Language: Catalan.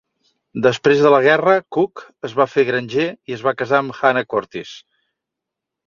Després de la guerra, Cook es va fer granger i es va casar amb Hannah Curtis.